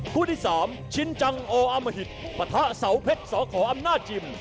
คู่ที่๓ชินจังโออามหิตปะทะเสาเพชรสขออำนาจชิม